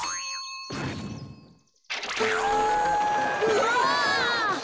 うわ！